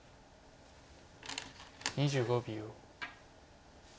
２５秒。